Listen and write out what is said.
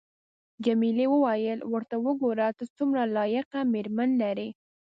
جميلې وويل:: ورته وګوره، ته څومره لایقه مېرمن لرې.